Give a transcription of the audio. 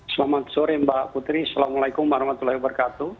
selamat sore mbak putri assalamualaikum warahmatullahi wabarakatuh